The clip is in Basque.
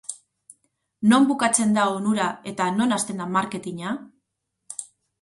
Non bukatzen da onura eta non hasten da marketina?